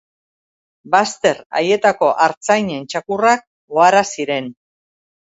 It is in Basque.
Bazter haietako artzainen txakurrak ohara ziren.